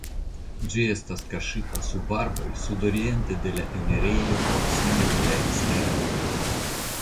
Ĝi estas kaŝita sub arboj sudoriente de la enirejo proksime de la ekstera muro.